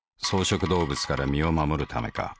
草食動物から身を護るためか。